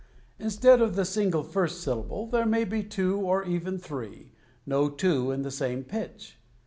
Instead of the single first syllable there may be two or even three, no two in the same pitch.